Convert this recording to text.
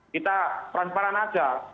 kita transparan saja